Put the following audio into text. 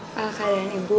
apa keadaan ibu